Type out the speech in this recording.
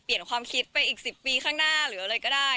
ความคิดไปอีก๑๐ปีข้างหน้าหรืออะไรก็ได้